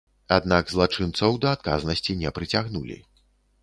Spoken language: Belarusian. Аднак злачынцаў да адказнасці не прыцягнулі.